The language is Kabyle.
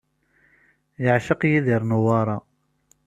Yeɛceq Yidir Newwara.